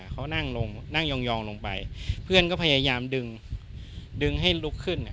เขานั่งลงนั่งยองลงไปเพื่อนก็พยายามดึงดึงให้ลุกขึ้น